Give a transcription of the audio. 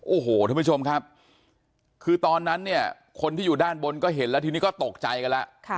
โอ้โหท่านผู้ชมครับคือตอนนั้นเนี่ยคนที่อยู่ด้านบนก็เห็นแล้วทีนี้ก็ตกใจกันแล้ว